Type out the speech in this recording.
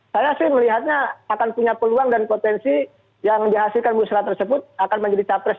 saya sih melihatnya akan punya peluang dan potensi yang dihasilkan musrah tersebut akan menjadi capres